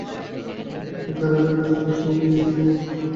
প্রতিদিন পাইকারেরা এখান থেকে শিম কিনে দেশের বিভিন্ন বাজারে নিয়ে যান।